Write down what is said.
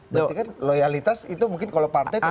berarti kan loyalitas itu mungkin kalau partai tidak